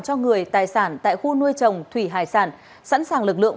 cho người tài sản tại khu nuôi trồng thủy hải sản sẵn sàng lực lượng